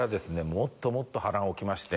もっともっと波乱起きまして」